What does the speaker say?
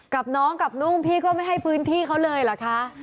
กับน้องกับนุ่งพี่ก็ไม่ให้พื้นที่เขาเลยเหรอคะ